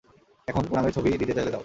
এখন, পুনামের ছবি দিতে চাইলে দাও।